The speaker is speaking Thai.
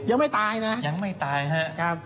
ยังไม่ตายนะยังไม่ตายครับ